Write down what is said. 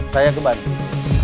saya ke bandung